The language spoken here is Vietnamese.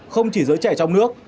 không chỉ giới trẻ trong nước